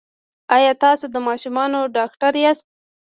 ایا تاسو د ماشومانو ډاکټر یاست؟